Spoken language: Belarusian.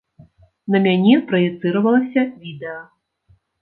На мяне праецыравалася відэа.